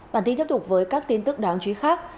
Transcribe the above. bản tin tiếp tục với các tin tức đáng chú ý khác